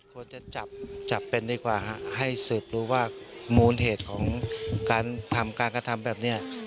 ควรจะจับจับเป็นดีกว่าให้สืบรู้ว่ามูลเหตุของการทำการกระทำแบบนี้